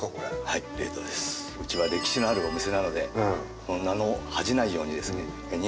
うちは歴史のあるお店なのでその名の恥じないようにですね２年かけて。